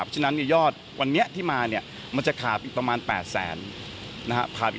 วันนี้ที่มามันจะขาบอีกประมาณ๘แสนบาท